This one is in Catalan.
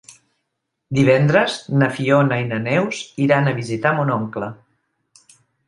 Divendres na Fiona i na Neus iran a visitar mon oncle.